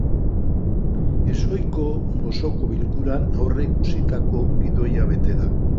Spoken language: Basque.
Ezohiko osoko bilkuran, aurreikusitako gidoia bete da.